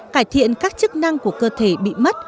cải thiện các chức năng của cơ thể bị mất